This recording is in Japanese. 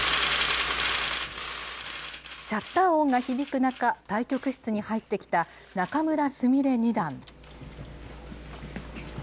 シャッター音が響く中、対局室に入ってきた仲邑菫二段。